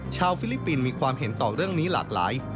ฟิลิปปินส์มีความเห็นต่อเรื่องนี้หลากหลาย